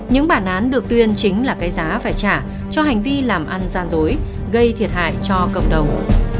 những bản án được tuyên chính là cái giá phải trả cho hành vi làm ăn gian dối gây thiệt hại cho cộng đồng